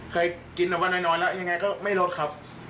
เคยกินแบบว่าน้อยแล้วยังไงก็ไม่ลดครับ